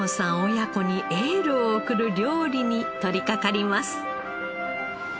親子にエールを送る料理に取りかかります。